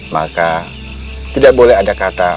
maka tidak boleh ada kata